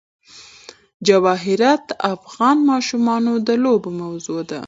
جواهرات د افغان ماشومانو د لوبو موضوع ده.